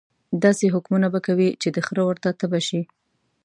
داسې حکمونه به کوي چې د خره ورته تبه شي.